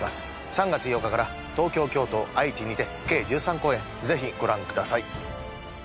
３月８日から東京京都愛知にて計１３公演是非ご覧ください